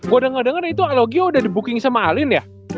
gue udah ngedenger itu alogio udah dibooking sama alin ya